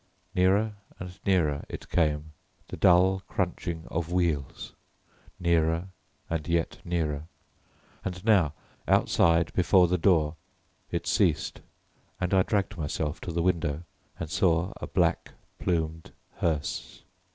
Nearer and nearer it came, the dull crunching of wheels, nearer and yet nearer, and now, outside before the door it ceased, and I dragged myself to the window and saw a black plumed hearse.